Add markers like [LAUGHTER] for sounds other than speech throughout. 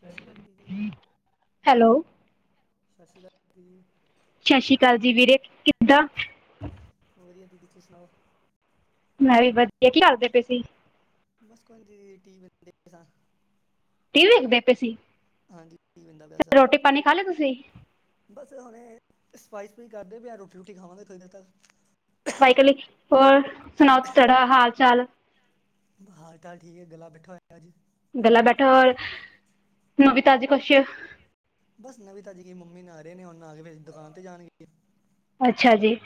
ਸਸੀਕਾਲ ਦੀਦੀ ਜੀ। ਹੈਲੋ ਸਸੀਕਾਲ ਦੀਦੀ ਜੀ ਸਾਸਰੀਕਾਲ ਜੀ ਵੀਰੇ ਕਿੱਦਾਂ। ਵਧੀਆ ਦੀਦੀ ਤਸੀ ਸੁਣਾਓ? ਮੈਂ ਵੀ ਵਧੀਆ ਕੀ ਕਰਦੇ ਪਏ ਸੀ। ਬਸ ਘਰ ਦੀਦੀ ਟੀ ਵੀ ਦੇਖਦਾ। ਟੀ ਵੀ ਵੇਖਦੇ ਸੀ। ਹਾਂਜੀ ਟੀ ਵੀ ਵੇਦਾ ਪਿਆ ਸਾ। ਰੋਟੀ ਪਾਣੀ ਖਾ ਲਿਆ ਤੁਸੀਂ ਬਸ ਹੁਣੇ ਸਫ਼ਾਈ-ਸੁਫਾਈ ਕਰਦੇ ਪਏ ਆ। ਰੋਟੀ-ਰੂਟੀ ਖਾਵਾਂਗੇ ਥੋ ਦੇ ਤੱਕ ਵਹਿਕਲੀ ਹੋਰ ਸੁਣਾਓ ਤੁਹਾਡਾ ਹਾਲ-ਚਾਲ? ਹਾਲ-ਚਾਲ ਠੀਕ ਐ ਗਲਾ ਬੈਠਾ ਹੋਇਆ ਜੀ। ਅੱਜ ਗਲਾ ਬੈਠਾ ਔਰ ਨਵੀ-ਤਾਜ਼ੀ ਕੁਸ਼ ਬਸ ਨਵੀਂ ਤਾਜ਼ੀ ਕੀ ਮੰਮੀ ਨਹਾਂ ਰਹੇ ਨੇ। ਹੁਣ ਨਾ ਕੇ ਵੈਸੇ ਦੁਕਾਨ ਤੇ ਜਾਣਗੇ। ਅੱਛਾ ਜੀ।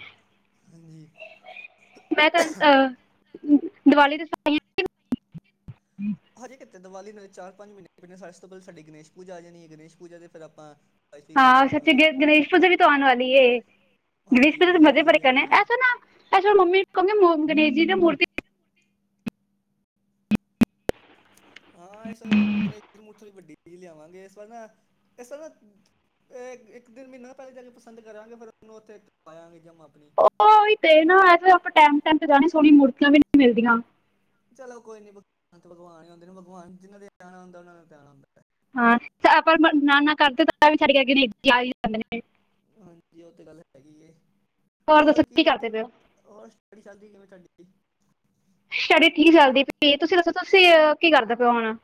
ਹਾਂਜੀ। ਮੈਂ ਤਾਂ ਅਹ ਦੀਵਾਲੀ ਦੇ ਸਫ਼ਾਈ ਹਜੇ ਕਿਤੇ ਦੀਵਾਲੀ ਨਾਲ ਚਾਰ ਪੰਜ ਮਹੀਨੇ ਪਏ ਨੇ। ਇਸ ਤੋਂ ਪਹਿਲਾਂ ਸਾਡੀ ਇਸ ਤੋਂ ਪਹਿਲਾਂ ਸਾਡੀ ਗਣੇਸ਼ ਪੂਜਾ ਆ ਜਾਣੀ ਏ। ਗਣੇਸ਼ ਪੂਜਾ ਤੇ ਫਿਰ ਆਪਾਂ ਸਫੂਈ ਕਰ ਹਾਂ ਦਿੰਦੇ ਸੱਚੀ ਉਹਦੇ ਗ ਗਣੇਸ਼ ਪੂਜਾ ਵੀ ਤਾਂ ਆਣ ਵਾਲੀ ਏ। ਗਣੇਸ਼ ਹਾਂਜੀ ਪੂਜਾ ਤੋਂ ਮਜ਼ੇ ਬੜੇ ਵੀ ਆਉਣ ਕਰਨੇ ਵਾਲੀ ਐਸਾ ਨਾ ਇਸ ਹੈ ਵਾਰ ਮੰਮੀ ਨੂੰ ਕਹੋਗੀ ਗਨੇਸ਼ ਜੀ ਦੀ ਮੂਰਤੀ ਹਾਂ, ਇਸ ਵਾਰ ਗਣੇਸ਼ ਜੀ ਦੀ ਮੂਰਤੀ ਵੀ ਵੱਡੀ ਲਿਆਵਾਂਗੇ‌ ਇਸ ਵਾਰ ਨਾ ਇਸ ਵਾਰ ਨਾ ਇੱਕ ਦਿਨ ਮਹੀਨਾ ਪਹਿਲੇ ਜਾ ਕੇ ਪਸੰਦ ਕਰਾਂਗੇ। ਫਿਰ ਉਹਨੂੰ ਉੱਥੇ ਆਇਆਗੇ ਜਿੰਮ ਆਪਣੀ ਉਹੀ ਤੇ ਨਾ ਇਸ ਵਾਰੀ ਆਪਾਂ ਟਾਈਮ-ਟਾਈਮ ਤੇ ਜਾਣੇ ਸੋਹਣੀਆਂ ਮੂਰਤੀਆਂ ਵੀ ਨੀ ਮਿਲਦੀਆਂ। ਚਲੋ ਕੋਈ ਨੀ ਭਗਵਾਨ-ਭਗਵਾਨ ਹੀ ਹੁੰਦੇ ਨੇ। ਭਗਵਾਨ ਜਿਹਨਾ ਦੇ ਧਿਆਣਾ ਆਉੁਦਾ ਉਹਨਾ ਦਾ ਧਿਆਣਾ ਆਉਂਦਾ। ਹਾਂ ਆਪਾਂ ਨਾ-ਨਾ ਕਰਦੇ ਤਾਂ ਵੀ ਸਾਡੇ ਗਣੇਸ਼ ਜੀ ਆ ਹੀ ਜਾਂਦੇ ਨੇ। ਹਾਂਜੀ ਉਹ ਤੇ ਗੱਲ ਹੈਗੀ ਏ। ਹੋਰ ਦੱਸੋ ਕੀ ਕਰਦੇ ਪਏ ਹੋ? ਹੋਰ ਸਟੱਡੀ ਚੱਲਦੀ ਕਿਵੇਂ ਤੁਹਾਡੀ ਸਟੱਡੀ ਠੀਕ ਚੱਲਦੀ ਪਈ ਏ। ਤੁਸੀਂ ਦੱਸੋ ਤੁਸੀਂ ਕੀ ਕਰਦੇ ਪਏ ਹੋ ਹੁਣ?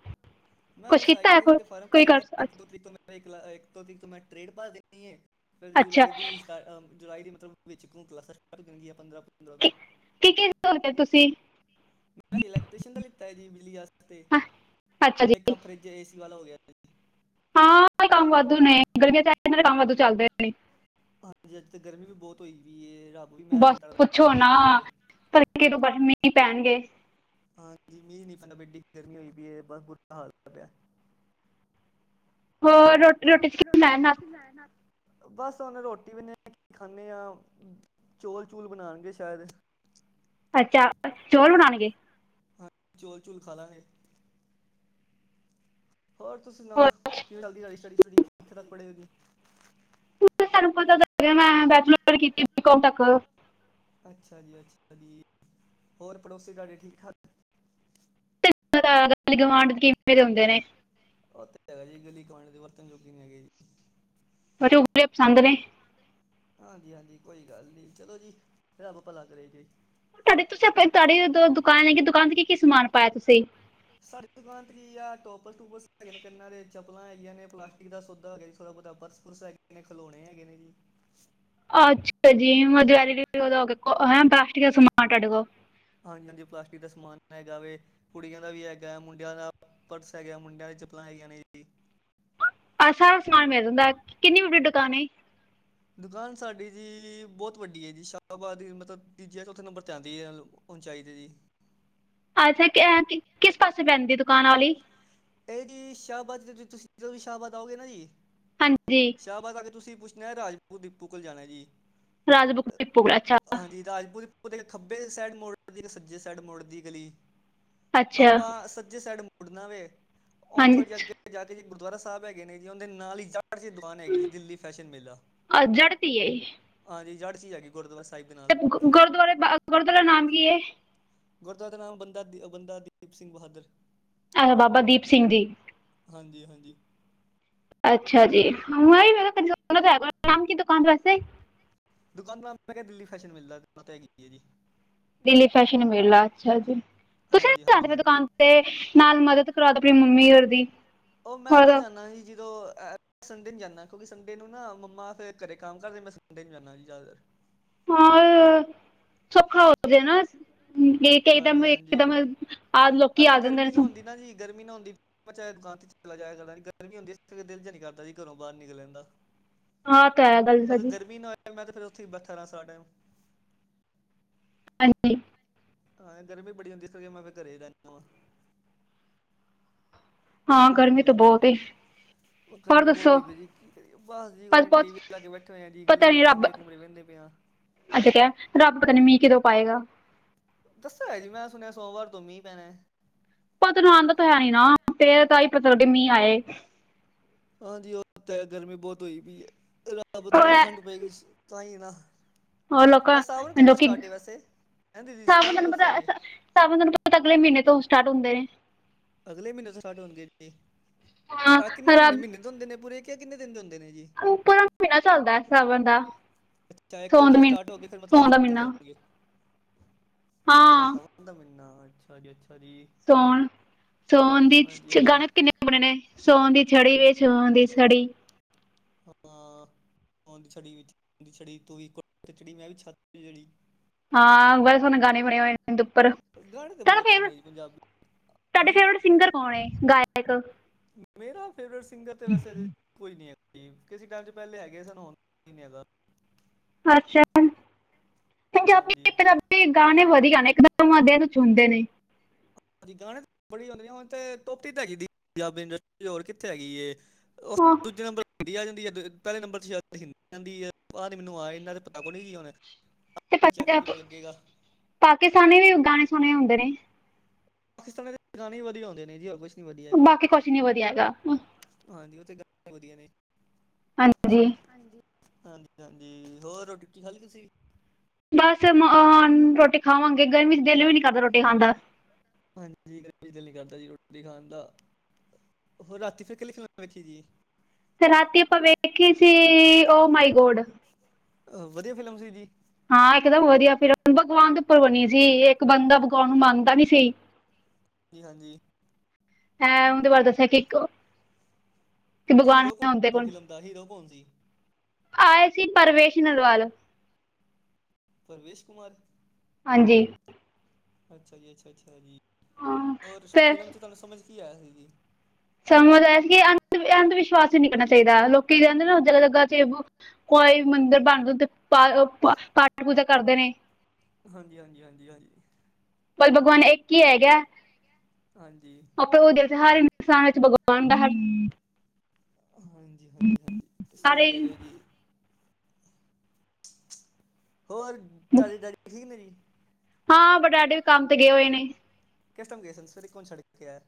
ਮੈਂ ਕੁਛ ਬੱਸ ਆਈ ਕੀਤਾ ਹੈ ਟੀ ਏ ਕੋਈ ਦੇ ਫਾਰਮ ਕੋਈ ਭਰੇ ਕਰ ਨੇ ਅੱਛ- ਇੱਕ-ਦੋ ਤਰੀਕ ਇੱਕਲਾ ਇੱਕ ਤੋਂ ਤ ਮੈਂ ਟਰੇਡ ਪਾਰ ਦੇਣੀ ਏ। ਫਿਰ ਅੱਛਾ ਜੁਲਾਈ ਦੀ ਸਟਾ ਜੁਲਾਈ ਦੀ ਮਤਲਬ ਵਿੱਚ ਕੋ ਕਲਾਸਾਂ ਸਟਾਟ ਹੋਣਗੀਆਂ ਪੰਦਰਾਂ ਤੋਂ ਕੀ-ਕੀ [UNINTELLIGIBLE] ਤੁਸੀਂ। ਮੈਂ ਇਲੈਕਟ੍ਰੀਸ਼ਨ ਦਾ ਲਿੱਤਾ ਐ ਜੀ ਬਿਜਲੀ ਵਾਸਤੇ ਹਾਂ, ਅੱਛਾ ਜੀ ਇੱਕ ਫਰਿੱਜ ਏ ਸੀ ਵਾਲਾ ਹੋ ਗਿਆ। ਜੀ ਹਾਂ ਇਹਨਾਂ ਦੇ ਕੰਮ ਵਾਧੂ ਨੇ, ਗਰਮੀਆਂ ਚ ਆ ਕੇ ਇਹਨਾਂ ਦੇ ਕੰਮ ਵਾਧੂ ਚੱਲਦੇ ਰਹੇ ਨੇ। ਹਾਂਜੀ, ਅੱਜ ਤਾਂ ਗਰਮੀ ਵੀ ਬਹੁਤ ਹੋਈ ਵੀਏ ਰੱਬ ਵੀ ਮਿਹਰ ਬਸ ਨਹੀਂ ਕਰਦਾ ਪੁੱਛੋ ਮੀਂਹ ਪਵਾ ਨਾ, ਦੇ ਤੜਕੇ ਤੋਂ ਬਸ ਮੀਂਹ ਪੈਣਗੇ। ਹਾਂਜੀ ਮੀਂਹ ਨੀ ਪੈਂਦਾ ਪਿਆ ਏਡੀ ਗਰਮੀ ਹੋਈ ਪਈ ਐ ਬਸ ਬੁਰਾ ਹਾਲ ਪਿਆ। ਹੋ ਰੋਟੀ- ਰੋਟੀ [UNINTELLIGIBLE] [UNINTELLIGIBLE] ਬਸ ਹੁਨ ਰੋਟੀ ਵੀ ਨੇ ਖਾਂਨੇ ਹਚੌਲ- ਚੂਲ ਬਣਾਉਣਗੇ ਸ਼ਾਇਦ। ਅੱਚਾ ਚੋਲ ਬਣਾਨਗੇ। ਹਾਂਜੀ ਚੋਲ- ਚੂਲ ਖਾਲਾ ਗੇ। ਔਰ ਤੁਸੀਂ ਹੋਰ ਸੁਣਾਓ, ਕਿਵੇਂ ਚੱਲਦੀ ਸਟੱਡੀ- ਸਟੁਡੀ ਕਿੱਥੇ ਤੱਕ ਪੜ੍ਹੇ ਜੇ। ਹੁਣ ਤਾਨੂੰ ਪਤਾ ਤੇ ਹੈਗਾ, ਮੈਂ ਬੈਚਲਰ ਕੀਤੀ ਬੀ ਕੌਮ ਤੱਕ। ਅੱਛਾ ਜੀ -ਅੱਛਾ ਜੀ ਹੋਰ ਪੜੋਸੀ ਤਾਡੇ ਠੀਕ- ਠਾਕ [UNINTELLIGIBLE] ਗੁਵਾਂਢ ਕਿਵੇਂ ਦੇ ਹੁੰਦੇ ਨੇ‌। ਉਹ ਤੇ ਹੈਗਾ ਜੀ ਗਲੀ- ਗਵਾਂਡ ਦੇ ਵਰਤਣ ਜੋੋਗੇ ਨੀ ਹੈਗੇ ਜੀ। ਮੈਨੂੰ ਕਿਹੜੇ ਪਸੰਦ ਨੇ। ਪਸੰਦ ਨੇ। ਹਾਂਜੀ-ਹਾਂਜੀ ਕੋਈ ਗੱਲ ਨੀ ਚਲੋ ਜੀ, ਰੱਬ ਭਲਾ ਕਰੇ ਜੇ। ਤਾਡੇ ਤੁਸੀਂ ਆਪ ਤਾਡੀ ਦੁਕਾਨ ਹੈਗੀ ਦੁਕਾਨ ਤੇ ਕੀ-ਕੀ ਸਮਾਨ ਪਾਇਆ ਤੁਸੀਂ? ਸਾਡੀ ਦੁਕਾਨ ਤੇ ਜੀ ਆ ਟੋਪਸ- ਟੂਪਸ ਹੈਗੇ ਨੇ ਕੰਨਾ ਦੇ, ਚੱਪਲਾਂ ਹੈਗੀਆਂ ਨੇ ਪਲਾਸਟਿਕ ਦਾ ਸੋਦਾ ਹੈਗਾ ਜੀ, ਥੋੜਾ ਬਹੁਤਾ ਪਰਸ ਪੁਰਸ ਹੈਗੇ ਨੇ ਖਲੋਣੇ ਹੈਗੇ ਨੇ ਜੀ। ਆਛਾ ਜੀ [UNINTELLIGIBLE] ਪਲਾਸਟਿਕ ਦਾ ਸਮਾਨ ਤਾਡੇ ਕੋਲ਼। ਹਾਂਜੀ-ਹਾਂਜੀ ਪਲਾਸਟਿਕ ਦਾ ਸਮਾਨ ਹੈਗਾ ਵੇ। ਕੁੜੀਆਂ ਦਾ ਵੀ ਹੈਗਾ ਮੁੰਡਿਆਂ ਦਾ ਪਰਸ ਹੈਗਾ ਮੁੰਡਿਆਂ ਦੀਆਂ ਚੱਪਲਾਂ ਹੈਗੀਆਂ ਨੇ ਜੀ। ਆਹ ਸਾਰਾ ਸਮਾਨ ਮਿਲ ਜਾਂਦਾ, ਕਿੰਨੀ ਵੱਡੀ ਦੁਕਾਨ ਏ? ਦੁਕਾਨ ਸਾਡੀ ਜੀ ਬਹੁਤ ਵੱਡੀ ਐ ਜੀ ਸ਼ਾਹਬਾਦ ਮਤਲਬ ਤੀਜੇ- ਚੌਥੇ ਨੰਬਰ ਤੇ ਆਂਦੀ ਐ। ਹੁਣ ਚਾਈਦੀ ਜੀ। ਅੱਛਾ ਕੈਂ -ਕਿਸ ਪਾਸੇ ਪੈਂਦੀ ਦੁਕਾਨ ਆ ਵਾਲੀ। ਏਹ ਜੀ ਕਿ ਸ਼ਾਹਬਾਦ ਜ- ਜਦੋਂ ਵੀ ਸ਼ਾਹਬਾਦ ਆਓਗੇ ਨਾ ਜੀ ਹਾਂਜੀ। ਸ਼ਾਹਬਾਦ ਆ ਕੇ ਤੁਸੀਂ ਪੁੱਛਣਾ ਰਾਜਪੁਰ ਦੀਪੂ ਕੋਲ ਜਾਣਾ ਜੀ। ਰਾਜ ਬੁੱਕ ਡਿਪੂ ਕੋਲ ਅੱਛਾ ਹਾਂਜੀ ਰਾਜਪੁਰ ਓਦੇ ਖੱਬੇ ਸੈਡ ਮੁੜਦੀ ਸੱਜੇ ਸੈਡ ਮੁੜਦੀ ਗਲੀ। ਅੱਛਾ ਆਪਾਂ ਸੱਜੇ ਸੈਡ ਮੁੜਨਾ ਦੇ। ਓਦੇ ਹਾਂਜੀ ਥੋੜੇ ਜੇ ਅੱਗੇ ਜਾ ਕੇ ਜੀ ਗੁਰਦੁਆਰਾ ਸਾਹਿਬ ਹੈਗੇ ਨੇ ਜੀ ਓਦੇ ਨਾਲ ਈ [UNINTELLIGIBLE] ਦੁਕਾਨ ਹੈਗੀ ਜੀ ਦਿੱਲੀ ਫੈਸ਼ਨ ਮੇਲਾ। ਜੜਤੀ ਹੈ ਹਾਂਜੀ ਜੜ ਚ ਹੈਗੀ। ਗੁਰਦੁਆਰਾ ਸਾਹਿਬ ਦੇ ਨਾਲ। ਤੇ ਗੁ- ਗੁਰਦੁਆਰੇ ਬਾ ਗੁਰਦੁਆਰੇ ਦਾ ਨਾਮ ਕੀ ਏ? ਗੁਰਦੁਆਰੇ ਦਾ ਨਾਮ ਬੰਦਾ ਦੀ-ਬੰਦਾ ਦੀਪ ਸਿੰਘ ਬਹਾਦਰ। ਐਹ ਬਾਬਾ ਦੀਪ ਸਿੰਘ ਜੀ। ਹਾਂਜੀ-ਹਾਂਜੀ। ਅੱਛਾ ਜੀ, [UNINTELLIGIBLE] ਨਾਮ ਕੀ ਦੁਕਾਨ ਦਾ ਵੈਸੇ? ਦੁਕਾਨ ਦਾ ਨਾਮ ਹੈਗਾ ਦਿੱਲੀ ਫੈਸ਼ਨ ਮੇਲਾ [UNINTELLIGIBLE] ਹੈਗੀ ਐ ਜੀ। ਦਿੱਲੀ ਫੈਸ਼ਨ ਮੇਲਾ, ਅੱਛਾ ਜੀ। ਤੁਸੀਂ ਹਾਂਜੀ ਨੀ ਹਾਂਜੀ ਜਾਦੇ ਫਿਰ ਹਾਂਜੀ ਦੁਕਾਨ ਤੇ ਨਾਲ ਮਦਦ ਕਰਾ ਦਿਓ ਆਪਣੀ ਮੰਮੀ ਹੋਰ ਦੀ। ਓਹ ਮੈਂ ਹੋਰ ਉਦੋਂ ਜਾਂਦਾ ਜੀ ਜਦੋਂ ਅਹ ਸੰਡੇ ਨੂੰ ਜਾਂਨਾ ਕਿਉਂਕਿ ਸੰਡੇ ਨੂੰ ਨਾ ਮੰਮਾ ਫਿਰ ਘਰੇ ਕੰਮ ਕਰਦੇ ਮੈਂ ਸੰਡੇ ਨੂੰ ਜਾਂਨਾ ਜੀ ਜ਼ਿਆਦਾਤਰ। ਹਾਏ, ਸੌਖਾ ਹੋਜੇ ਨਾ ਗੇ ਕਈ ਦਮ ਹਾਂਜੀ ਹਾਂਜੀ ਇਕਦਮ ਆ ਲੋਕੀ ਅਗਰ ਆ ਜਾਂਦੇ ਨੇ। ਗਰਮੀ ਨਾ ਹੁੰਦੀ ਨਾ ਜੀ ਗਰਮੀ ਨਾ ਹੁੰਦੀ ਮੈਂ ਚਾਹੇ ਦੁਕਾਨ ਤੇ ਚਲਾ ਜਾਆ ਕਰਦਾ ਗਰਮੀ ਹੁੰਦੀ ਇਸ ਕਰਕੇ ਦਿਲ ਜਾ ਨੀ ਕਰਦਾ ਜੀ ਘਰੋਂ ਬਾਰ ਨਿਕਲਨ ਦਾ। ਹਾਂ ਤਾਂ ਹੈ ਗੱਲ ਅਗਰ ਸਾਡੀ ਗਰਮੀ ਨਾ ਹੋਏ ਮੈਂ ਤੇ ਫਿਰ ਉੱਥੇ ਈ ਬੈਠਾ ਰਹਾ ਸਾਰਾ ਟੈਮ। ਹਾਂਜੀ ਹਾਂ ਗਰਮੀ ਬੜੀ ਹੁੰਦੀ ਤਾਂਹੀਓ ਮੈਂ ਫ਼ੇਰ ਰ ਘਰੇ ਹੀ ਰਹਿਣਾ ਵਾ। ਹਾਂ ਗਰਮੀ ਹਾਂਜੀ ਤਾਂ ਹਾਂਜੀ ਬਹੁਤ ਏ ਹੋਰ ਗਰਮੀ ਬਹੁਤ ਦੱਸੋ ਹੋਈ ਪਈ ਜੀ ਕੀ ਕਰੀਏ ਬਸ ਜੀ ਕੋ ਅੱਜ ਟੀ ਬਹੁਤ ਵੀ ਲਾ ਕੇ ਬੈਠੇ ਹੋਏ ਆ ਜੀ ਗਲ਼ੀ ਪਤਾ ਦੇ ਨੀ ਰੱਬ ਕੈਮਰੇ ਕੂਮਰੇ ਵਹਿੰਦੇ ਪਏ ਆ [UNINTELLIGIBLE] ਰੱਬ ਪਤਾ ਨੀ ਮੀਂਹ ਕੀਦੋਂ ਪਾਏਗਾ ਦੱਸਿਆਂ ਹੋਇਆ ਜੀ ਮੈਂ ਸੁਣਿਆ ਸੋਮਵਾਰ ਤੋਂ ਮੀਂਹ ਪੈਣਾ ਪਤਾ ਨੀ ਆਂਦਾ ਤਾਂ ਹੈ ਨੀ ਨਾ ਫ਼ੇਰ ਤਾਂਈ ਪਤਾ ਲੱਗੇ ਮੀਂਹ ਆਏ ਹਾਂਜੀ ਉਹ ਤਾਂ ਗਰਮੀ ਬਹੁਤ ਹੋਈ ਪਈ ਐ ਰੱਬ ਥੋੜ੍ਹੀ ਜੀਹੀ ਠੰਡ ਹੋਰ ਪਏਗੀ ਤਾਹੀਂ ਨਾ ਲੋਕਾਂ ਸਟਾਵਨ ਕਥੋਂ ਲੋਕੀ ਸਟਾਟ ਵੈਸੇ ਹੈਂ ਦੀਦੀ ਸਟਾਵਨ ਕੋਂ ਸਟਾਟ ਏ ਸਾਵਣ ਤੈਨੂੰ ਪਤਾ ਅਗਲੇ ਮਹੀਨੇ ਤੋਂ ਸਟਾਰਟ ਹੁੰਦੇ ਨੇ ਅਗਲੇ ਮਹੀਨੇ ਤੋਂ ਸਟਾਰਟ ਹੋਣਗੇ ਜੀ ਹਾਂ ਆਹ ਕਿੰਨੇ ਮਹੀਨੇ ਰੱਬ ਮਹੀਨੇ ਤੋਂ ਹੁੰਦੇ ਨੇ ਪੂਰੇ ਕ ਕਿੰਨੇ ਦਿਨ ਤੋਂ ਹੁੰਦੇ ਨੇ ਜੀ ਉਪਰਾ ਮਹੀਨਾ ਚੱਲਦਾ ਐ ਸਾਵਣ ਦਾ ਅੱਛਾ ਇੱਕ ਸੌਣ ਤਰੀਕ ਦਾ ਤੋਂ ਸਟਾਰਟ ਮਹੀਨਾ ਹੋ ਗਏ ਫਿਰ ਮਤਲਬ ਸੋਂਣ ਆਖਰ ਦਾ ਤੱਕ ਮਹੀਨਾ ਚੱਲਣਗੇ। ਅੱਛਾ ਹਾਂ ਸਾਵਣ ਦਾ ਮਹੀਨਾ ਅੱਛਾ ਜੀ -ਅੱਛਾ ਜੀ। ਸੌਣ ਸੌਣ ਦੀ ਹਾਂਜੀ 'ਚ ਹਾਂਜੀ 'ਗਾਣੇ ਵੀ‌ ਕਿੰਨੇ ਬਣੇ ਨੇ ਸੌਣ ਦੀ ਛੜੀ ਏ ਸੌਣ ਦੀ ਛੜੀ ਹਾਂ ਸੌਣ ਦੀ ਛੜੀ ਵੇ ਸੌਣ ਦੀ ਛੜੀ ਤੂੰ ਵੀ ਕੋਠੇ ਤੇ ਚੜੀ ਮੈਂ ਵੀ ਛੱਤ ਤੇ ਚੜੀ। ਹਾਂ ਬੜੇ ਸੋਹਣੇ ਗਾਣੇ ਬਣੇ ਹੋਏ ਨੇ ਇਹਦੇ ਉੱਪਰ ਬ ਗਾਣੇ ਤੇ ਤੁਹਾਡਾ ਬਹੁਤ ਫੇਵਰਟ ਨੇ ਜੀ ਪੰਜਾਬੀ [UNINTELLIGIBLE] ਤੁਹਾਡੇ ਹਜੀ ਫੇਵਰਟ ਸਿੰਗਰ ਕੌਣ ਹੈ ਗਾਇਕ ਮੇਰਾ ਫੇਵਰੇਟ ਸਿੰਗਰ ਤੇ ਵੈਸੇ ਕੋਈ ਨੀ ਹੈਗਾ ਕਿਸੇ ਟੈਮ ਚ ਪਹਿਲੇ ਹੈਗੇ ਸਾਨੂੰ ਹੁਣ ਕੋਈ ਨੀ ਹੈਗਾ। ਅੱਛਾ। ਹਾਂਜੀ। [UNINTELLIGIBLE] ਬੀ ਗਾਣੇ ਵਧੀਆਂ ਨੇ ਇੱਕਦਮ ਹਿਰਦੇ ਨੂੰ ਚੁਣਦੇ ਨੇ ਹਾਂਜੀ ਗਾਣੇ ਬੜੀ ਹ ਹੁ ਤੋਪੀ ਤਾਂ ਹੈਗੀ ਪੰਜਾਬ ਇੰਟ ਹੋਰ ਕਿੱਥੇ ਹੈਗੀ ਜੇ ਉਹ ਹਾਂ ਦੂਜੇ ਨੰਬਰ ਇੰਡੀ ਆ ਜਾਂਦੀ ਹੈ ਪਹਿਲੇ ਨੰਬਰ ਚ ਸ਼ਇਦ ਹਿੰਦੀ ਆ ਜਾਂਦੀ ਹੈ ਬਾਅਦ ਮੈਨੂੰ ਆ ਇਹਨਾਂ ਤੇ ਪਤਾ ਕੁ ਨੀ ਜੀ ਹੁਣ ਚੈੱਕ ਕਰਕੇ [INAUDIBLE] ਪਤਾ ਲੱਗੇਗਾ ਪਾਕਿਸਤਾਨੀ ਵੀ ਗਾਣੇ ਸੁਣੇ ਹੁੰਦੇ ਪਾਕਿਸਤਾਨ ਦੇ ਗਾਣੇ ਵਧੀਆਂ ਹੁੰਦੇ ਨੇ ਜੀ ਔਰ ਕੁਛ ਬਾਕੀ ਕੁਛ ਨੀ ਵਧੀਆਂ ਹੈਗਾ ਹਾਂਜੀ ਉਹ ਤੇ ਗਾਣੇ ਵਧੀਆਂ ਨੇ ਹਾਂਜੀ। ਹਾਂਜੀ- ਹਾਂਜੀ- ਹਾਂਜੀ ਹੋਰ ਰੋਟੀ- ਰੂਟੀ ਖਾ ਲੀ ਤੁਸੀਂ ਬਸ ਮ ਆ ਰੋਟੀ ਖਾਵਾਂਗੇ ਗਰਮੀ ਚ ਦਿਲ ਵੀ ਨੀ ਕਰਦਾ ਰੋਟੀ ਖਾਣ ਦਾ ਹਾਂਜੀ ਗਰਮੀ ਚ ਦਿਲ ਨੀ ਕਰਦਾ ਜੀ ਰੋਟੀ ਖਾਣ ਦਾ ਹੋਰ ਰਾਤੀਂ ਫ਼ੇਰ ਕਿਹੜੀ ਫ਼ਿਲਮ ਵੇਖੀ ਜੀ ਤੇ ਰਾਤੀ ਆਪਾਂ ਵੇਖੀ ਸੀ ਓ ਮਾਈ ਗੋਡ ਅਹ ਵਧੀਆਂ ਫ਼ਿਲਮ ਸੀ ਜੀ ਹਾਂ ਇਕਦਮ ਵਧੀਆ ਫ਼ਿਰ ਬਗਵਾਨ ਦੇ ਉੱਪਰ ਬਣੀ ਸੀ ਇੱਕ ਬੰਦਾ ਬਗਵਾਨ ਨੂੰ ਮੰਨਦਾ ਨੀ ਸੀ ਜੀ ਹਾਂਜੀ ਹੈਂ ਉਹਦੇ ਬਾਰੇ ਦੱਸਿਆਂ ਕਿ ਇੱਕ ਭਗਵਾਨ ਹੀਰੋ ਹੈ ਉਹਦੇ ਕੌਣ ਕੋਲ ਫ਼ਿਲਮ ਦਾ ਹੀਰੋ ਕੌਣ ਸੀ ਆਏ ਸੀ ਪਰਵੇਸ਼ ਨਲਵਾਲ ਪਰਵੇਸ਼ ਕੁਮਾਰ ਹਾਂਜੀ। ਅੱਛਾ ਜੀ ਅੱਛਾ ਅੱਛਾ ਜੀ ਹਾਂ ਔਰ ਫਿਰ ਫਿਲਮ ਚ ਤੁਹਾਨੂੰ ਸਮਝ ਕੀ ਆਇਆਂ ਸੀ ਜੀ ਸਮਝਦਾ ਸੀ ਕਿ ਅੰ ਅੰਧ ਵਿਸ਼ਵਾਸ ਈ ਨੀ ਕਰਨਾ ਚਾਹੀਦਾ ਲੋਕੀਂ ਕਹਿੰਦੇ ਨਾ ਜਲ ਲਗਾ 'ਚ' ਕੋਈ ਮੰਦਿਰ ਬਣਦਾ ਓਦੇ ਪਾ ਪਾਠ ਪੂਜਾ ਕਰਦੇ ਨੇ ਹਾਂਜੀ-ਹਾਂਜੀ ਹਾਂਜੀ- ਹਾਂਜੀ ਭਲ ਭਗਵਾਨ ਇੱਕ ਹੀ ਹੈਗਾ, ਹਾਂਜੀ। ਆਪਾਂ ਉਹ ਦਿਲ 'ਚ' ਹਾਰੇ ਇਨਸਾਨ ਵਿੱਚ ਭਗਵਾਨ ਦਾ ਹਾਂਜੀ- ਹਾਂਜੀ, ਹਾਂਜੀ ਸਹੀ ਸਾਰੇ ਕਹਿ ਰਹੇ ਜੀ। [INAUDIBLE] ਹੋਰ ਤੁਹਾਡੇ ਡੈਡੀ ਠੀਕ ਨੇ ਜੀ। ਹਾਂ ਬਟ ਡੈਡੀ ਵੀ ਕੰਮ ਤੇ ਗਏ ਹੋਏ ਨੇ। ਕਿਸ ਟਾਇਮ ਗਏ ਸਨ, ਸਵੇਰੇ ਕੌਣ ਛੱਡ ਕੇ ਆਇਆ?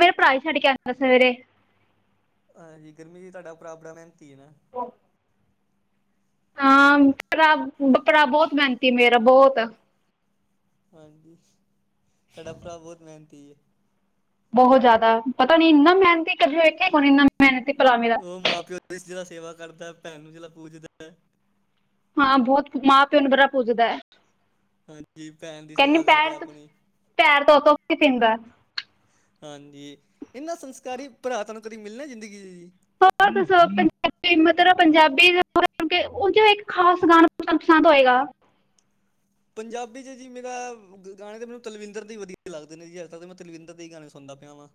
ਮੇਰੇ ਭਰਾ ਹੀ ਛੱਡ ਕੇ ਆਉਂਦਾ ਸਵੇਰੇ ਹਾਂਜੀ, ਗਰਮੀਤ ਜੀ ਤੁਹਾਡਾ ਭਰਾ ਬੜਾ ਮਿਹਨਤੀ ਐ ਨਾ। ਓ ਹਾਂ ਭਰਾ- ਭਰਾ ਬਹੁਤ ਮਿਹਨਤੀ ਆ ਮੇਰਾ ਬਹੁਤ। ਹਾਂਜੀ, ਤੁਹਾਡਾ ਭਰਾ ਬਹੁਤ ਮਿਹਨਤੀ ਏ। ਬਹੁਤ ਜ਼ਿਆਦਾ ਪਤਾ ਨੀ ਇੰਨਾ ਮਿਹਨਤੀ ਕਦੇ ਵੇਖੇ ਕੋਈ ਨੀ ਇੰਨਾ ਮਿਹਨਤੀ ਭਰਾ ਉਹ ਮਾ- ਪਿਓ ਦੀ ਜਿਹੜਾ ਸੇਵਾ ਕਰਦਾ ਹੈ ਭੈਣ ਨੂੰ ਜਿਹੜਾ ਪੂਜਦਾ ਐ। ਹਾਂ ਬਹੁਤ ਮਾਂ ਪਿਉ ਨੂੰ ਬੜਾ ਪੂਜਦਾ ਐ। ਹਾਂਜੀ ਭੈਣ ਦੀ ਕਹਿੰਦੀ ਸੇਵਾ ਕਰਦਾ ਪੈਰ, ਆਪਣੀ ਪੈਰ ਧੋ- ਧੋ ਕੇ ਪੀਂਦਾ। ਹਾਂਜੀ ਇਹਨਾਂ ਸੰਸਕਾਰੀ ਭਰਾ ਤਹਾਨੂੰ ਕਦੀ ਮਿਲਣਾ ਜ਼ਿੰਦਗੀ 'ਚ ਜੀ। ਹੋ ਪੰਜਾਬੀ ਮਤਲਬ ਪੰਜਾਬੀ ਉਹ ਇੱਕ ਖਾਸ ਗਾਣਾ ਪਸੰਦ ਹੋਏਗਾ। ਪੰਜਾਬੀ 'ਚ ਜੀ ਮੇਰਾ ਗਾਣੇ ਤਾਂ ਮੈਨੂੰ ਤਲਵਿੰਦਰ ਦੇ ਹੀ ਵਧੀਆ ਲੱਗਦੇ ਨੇ ਜੀ। ਅੱਜ- ਕੱਲ ਤਾਂ ਮੈਂ ਤਲਵਿੰਦਰ ਦੇ ਹੀ ਗਾਣੇ ਸੁਣਦਾ ਪਿਆ ਵਾਂ।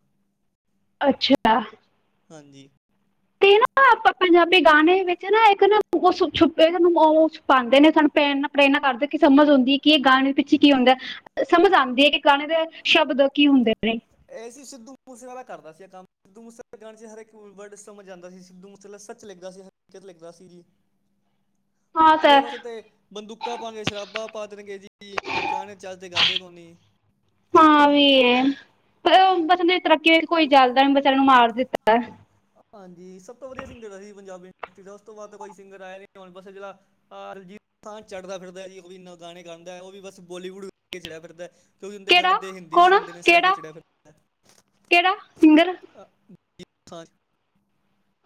ਅੱਛਾ ਹਾਂਜੀ ਤੇ ਨਾ ਆਪਾਂ ਪੰਜਾਬੀ ਗਾਣੇ ਵਿੱਚ ਨਾ ਇੱਕ ਨਾ ਛੁਪਛ ਛੁਪਾਂਦੇ ਨੇ ਸਾਨੂੰ ਭੈਣ ਆਪ ਇਨਾ ਕਰਦੇ ਕਿ ਸਮਝ ਹੁੰਦੀ ਕਿ ਗਾਣੇ ਪਿੱਛੇ ਕੀ ਆਉਦਾ ਐ। ਸਮਝ ਆਂਦੀ ਐ ਕਿ ਗਾਣੇ ਦੇ ਸ਼ਬਦ ਕੀ ਹੁੰਦੇ ਨੇ। ਇਹ ਸੀ ਸਿੱਧੂ ਮੂਸੇਵਾਲਾ ਕਰਦਾ ਸੀ ਇਹ ਕੰਮ। ਸਿੱਧੂ ਮੂਸੇ ਗਾਣੇ 'ਚ ਹਰ ਕੋਡ ਵਰਡ ਸਮਝ ਆਂਦਾ ਸੀ। ਸਿੱਧੂ ਮੂਸੇ ਆਲਾ ਸੱਚ ਲਿਖਦਾ ਸੀ ਹਰਕਤ ਲੱਗਦਾ ਸੀ। [INAUDIBLE] ਉਦੇ ਤਾਂ ਵਾਸਤੇ ਬੰਦੂਕਾਂ ਪਾਉਣਗੇ ਸ਼ਰਾਬਾਂ ਪਾ ਦੇਣਗੇ ਜੀ ਗਾਣੇ ਚੱਜਦੇ ਗਾਂਦੇ ਕੋ ਨੀ। ਹਾਂ ਐ ਵੀ ਏ ਬਸ ਤਰੱਕੀ ਕੋਈ ਜਰਦਾ ਨੀ ਬਚਾਰੇ ਨੂੰ ਮਾਰ ਦਿੱਤਾ। ਹਾਂਜੀ ਸਭ ਤੋਂ ਵਧੀਆ ਸਿੰਗਰ ਦਾ ਸੀ ਪੰਜਾਬੀ ਇੰਡਸਟਰੀ ਦਾ। ਉਸ ਤੋਂ ਬਾਅਦ ਤਾਂ ਕੋਈ ਸਿੰਗਰ ਆਇਆ ਨੀ। ਹੁਣ ਬਸ ਜਿਹੜਾ ਆਹ ਦਲਜੀਤ ਦੁਸਾਂਝ ਚੜ੍ਹਦਾ ਫਿਰਦਾ ਜੀ ਉਹ ਵੀ ਗਾਣੇ ਗਾਂਦਾ। ਉਹ ਵੀ ਬਸ ਬੋਲੀਵੁੱਡ ਕਰਕੇ ਚੜਿਆ ਫਿਰਦਾ। ਕਿਉਂਕਿ ਹਿੰਦੀ ਗਾਣੇ ਕਿਹੜਾ ਤਾਂ ਹਿੰਦੀ ਵੀ ਕੌਣ ਸੁਣਦੇ ਨੇ। ਇਸ ਕਰਕੇ ਉਹ ਕਿਹੜਾ ਚੜਿਆ ਫਿਰਦਾ। ਕਿਹੜਾ ਸਿੰਗਰ ਸਾਰੇ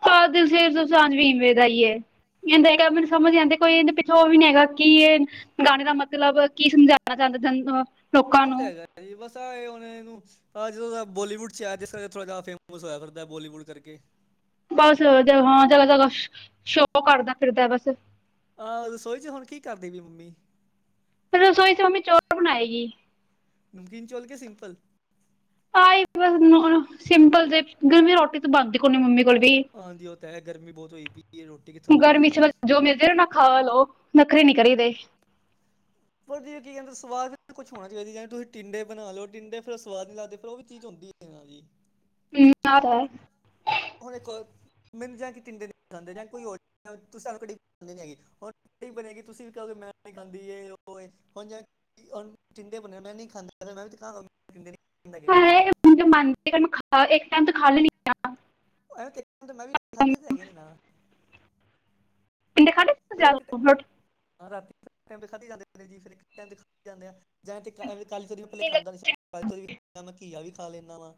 ਹਾਂ ਦਲਜੀਤ ਦੁਸਾਂਝ ਵੀ ਐੰਵੇ ਦਾ ਹੀ ਏ। ਕਿੰਦਾ ਮੈਨੂੰ ਸਮਝ ਆ ਜਾਂਂਦੇ ਕੋਈ ਇਹਦੇ ਪਿੱਛੋਂ ਉਹ ਵੀ ਨੀ ਹੈਗਾ। ਕੀ ਇਹ ਗਾਣੇ ਦਾ ਮਤਲਬ ਕੀ ਸਮਝਣਾ ਚਾਹਦਾ ਜਨਤਾ ਉਹ ਤੇ ਹੈਗਾ ਬਸ ਆਏ ਹੁਣ ਇਹਨੂੰ ਹਾਂ ਜਦੋਂ ਦਾ ਬੋਲੀਵੁੱਡ 'ਚ ਆਇਆ ਜਿਸ ਤਰਾਂ ਥੋੜ੍ਹਾ ਜਿਹਾ ਫੇਮਸ ਹੋਇਆ ਫਿਰਦਾ ਬੋਲੀਵੁੱਡ ਕਰਕੇ ਬਸ ਹਾਂ ਚਲ ਜਗ੍ਹਾ -ਜਗ੍ਹਾ ਸ਼ੋਅ ਕਰਦਾ ਫਿਰਦਾ ਬਸ। ਆਹ ਰਸੋਈ 'ਚ ਹੁਣ ਕੀ ਕਰਦੀ ਪਈ ਆ ਮੰਮੀ। ਫਿਰ ਰਸੋਈ 'ਚ ਮੰਮੀ ਚੋਲ ਬਣਾਏਗੀ। ਨਮਕੀਨ ਚੌਲ ਕੇ ਸਿੰਪਲ। ਆ ਹੀ ਬ ਸਿੰਪਲ ਤੇ ਗਰਮੀ ਰੋਟੀ ਤੋਂ ਬਣਦੀ ਕੋ ਨੀ ਮੰਮੀ ਕੋਲ ਵੀ। ਹਾਂਜੀ ਉਹ ਤਾਂ ਹੈ ਗਰਮੀ ਬਹੁਤ ਹੋਈ ਪਈ ਰੋਟੀ ਕਿੱਥੋਂ ਬਣਦੀ ਗਰਮੀ ਹੈ 'ਚ ਜੀ ਜੋ ਮਿਲ ਜੇ ਨਾ ਖਾ ਲਓ ਨੱਖਰੇ ਨੀ ਕਰੀਦੇ। ਪਰ ਜੇ ਕੀ ਕਹਿੰਦਾ ਸਵਾਦ ਕੁਛ ਹੋਣਾ ਚਾਹੀਦਾ ਜੇ ਤੁਸੀਂ ਟਿੰਡੇ ਬਣਾ ਲਓ। ਟਿੰਡੇ ਫਿਰ ਸਵਾਦ ਨ ਲਗਦੇ ਫਿਰ ਉਹ ਵੀ ਚੀਜ਼ ਹੁੰਦੀ ਐ। ਇਹਨਾਂ ਦੀ ਹਮ [UNINTELLIGIBLE] ਹੁਣ ਇੱਕ ਮਿਲ ਜਾਂ ਕਿਤੇ ਤਿੰਨ ਦਿਨ -ਦਿਨ ਰਹਿੰਦੇ ਜਾਂ ਕੋਈ ਹੋਰ ਸਾਨੂੰ ਉਡੀਕ ਦੀ ਨੀ ਹੈਗੀ। ਹੁਣ ਕੜੀ ਬਣੇਗੀ ਤੁਸੀਂ ਵੀ ਕਿਹਦੋ ਮੈਂ ਨੀ ਖਾਂਦੀ ਇਹ, ਉਹ, ਹੁਣ ਜਾ ਹੁਣ ਟੀਂਡੇ ਬਣੇ ਮੈਂ ਨਹੀਂ ਖਾਂਦਾ ਹੈਗਾ। ਮੈਂ ਵੀ ਦਿਖਾ [UNINTELLIGIBLE] ਮੈਨੂੰ ਮੇਰਾ ਮਨ ਸੀਗਾ ਮੈਂ ਖਾ ਲਈ। ਇੱਕ ਟਾਈਮ ਤਾਂ ਖਾ ਲੈਨੀ ਆਂ। ਇਹ ਤਾਂ ਇਕ ਟਾਇਮ ਮੈਂ ਵੀ ਖਾਧੇ ਤੇ ਹੈਗੇ ਨੀ ਨਾ। ਟੀਂਡੇ ਖਾਧੇ। ਫਿਰ ਇੱਕ ਟਾਈਮ ਰਾਤੀ ਕਿੰਨੇ ਖਾਧੇ ਜਾਂਦੇ ਨੇ ਜੀ। ਫਿਰ ਟਾਈਮ ਜਾਂਦੇ ਜਾਂ ਕਾਲੀ ਤੋਰੀ ਪਹਿਲੇ ਖਾਂਦਾ ਨੀ ਸੀ। ਕਾਲੀ ਤੋਰੀ ਵੀ ਮੈਂ ਘੀਆ ਵੀ ਖਾ ਲੈਂਣਾ ਵਾ।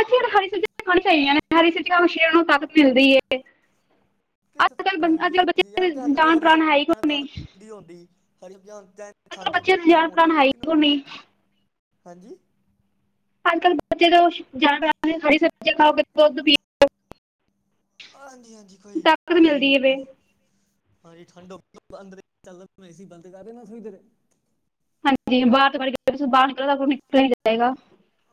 ਅੱਛਾ ਹਰੀ ਸਬਜ਼ੀਆਂ ਖਾਣੀ ਚਾਹੀਦੀਆਂ ਨੇ, ਹਰੀਆਂ ਸਬਜ਼ੀਆਂ ਨਾਲ ਸਰੀਰ ਨੂੰ ਤਾਕਤ ਮਿਲਦੀ ਐ। ਕਿੱਥੇ ਤਾਕਤ ਮਿਲਦੀ ਹੈ ਜੀ ਐ? ਅਗਰ ਜਾਨ ਹਰੀਆਂ ਪ੍ਰਾਣ ਹੈ ਹੀ ਸਬਜ਼ੀਆ ਨਾਲ ਕੋਈ ਨਹੀਂ ਤਾਕਤ ਮਿਲਦੀ ਹੁੰਦੀ। ਹਰੀ ਸਬਜ਼ੀ ਅੱਜ ਕੱਲ ਖਾਂਦੇ ਬੱਚੇ ਪਏ ਜਾਨ ਪ੍ਰਾਣ ਮੋਟੇ ਹੈ ਹੀ ਲੋਕੀ ਨਾ ਹੋ ਕੋਈ ਜਾਂਦੇ ਨਹੀਂ ਜੀ, ਹਾਂਜੀ। ਅੱਜ ਕੱਲ੍ਹ ਬੱਚੇ ਤਾਂ ਜ਼ਿਆਦਾ ਹਰੀ ਸਬਜ਼ੀਆਂ ਖਾਓਗੇ, ਦੁੱਧ ਪੀਓਗੇ। ਹਾਂਜੀ- ਹਾਂਜੀ, ਕੋਈ ਤਾਕਤ ਜੀ ਮਿਲਦੀ ਹੈ ਵੇ ਹਾਂਜੀ ਠੰਡ ਹੋਗੀ, ਅੰਦਰ ਚੱਲਦਾ ਏ ਸੀ ਬੰਦ ਕਰਦੇਨਾ ਛਈ ਦੇਣੇ। ਹਾਂਜੀ ਬਾਹਰ ਤੋਂ ਇਕ ਵਾਰੀ ਬਾਹਰ ਨਿਕਲਦਾ ਨਿਕਲ ਜਾਏਗਾ।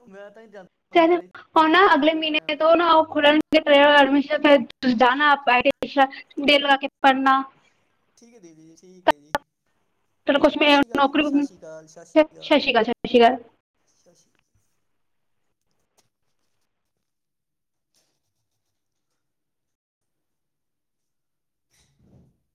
ਮੈਂ ਤਾਂ ਜਾਂਦਾ ਨੀ ਕਹਿੰਦੇ ਪਿਆ ਜੀ ਮੈਂ ਹੁਣ ਨਾ ਬੈੱਡ ਦੇ ਅਗਲੇ ਉੱਤੇ ਪਿਆ ਮਹੀਨੇ ਹੋਇਆ ਤੋਂ ਨਾ ਉਹ ਖੁੱਲਣ ਐਡਮਿਸ਼ਨ ਤੇ ਜਾਣਾ ਆਪਾਂ ਦਿਲ ਲਗਾ ਕੇ ਪੜ੍ਹਨਾ। ਠੀਕ ਹੈ ਦੀਦੀ ਜੀ, ਠੀਕ ਹੈ ਜੀ। ਚਲੋ ਕੁਛ ਸਤਿ ਮੈਂ ਸ੍ਰੀ ਅਕਾਲ ਦੀਦੀ, ਨੌਕਰੀ ਸਤਿ ਸ੍ਰੀ ਅਕਾਲ -ਸਤਿ ਸ੍ਰੀ ਅਕਾਲ, ਸ਼੍ਰੀ ਸਤਿ ਸ਼੍ਰੀ ਅਕਾਲ ਸਤਿ [INAUDIBLE]